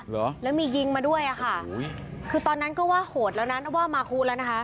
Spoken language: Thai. ละแล้วมียิงมาด้วยอ่ะค่ะคือตอนนั้นก็ว่าโหดแล้วนั้นว่ามาคู้